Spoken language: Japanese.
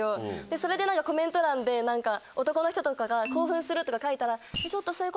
それでコメント欄で男の人とかが。とか書いたら。